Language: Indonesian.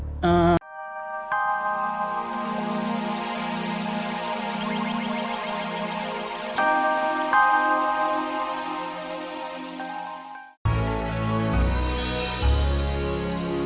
tunggu desi suatu menit